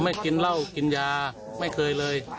อ๋อไม่กินเรากินยาไม่เคยเลย